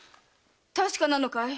確かなのかい？